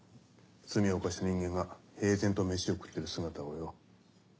罪を犯した人間が平然と飯を食ってる姿をよ。